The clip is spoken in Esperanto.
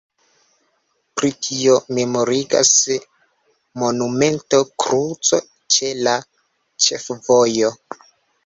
Pri tio memorigas monumento kruco ĉe la ĉefvojo.